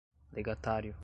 legatário